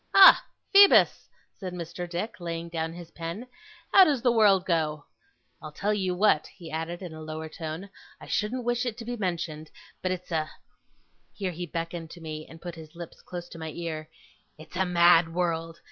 'Ha! Phoebus!' said Mr. Dick, laying down his pen. 'How does the world go? I'll tell you what,' he added, in a lower tone, 'I shouldn't wish it to be mentioned, but it's a ' here he beckoned to me, and put his lips close to my ear 'it's a mad world.